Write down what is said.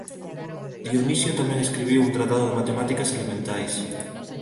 Dionisio tamén escribiu un tratado de matemáticas elementais.